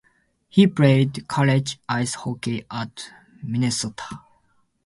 He played college ice hockey at Minnesota.